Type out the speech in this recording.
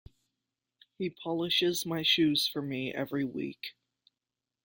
He polishes my shoes for me every week.